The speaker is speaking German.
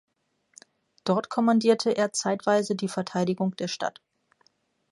Dort kommandierte er zeitweise die Verteidigung der Stadt.